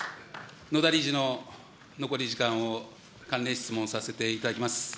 野田理事の残り時間を関連質問させていただきます。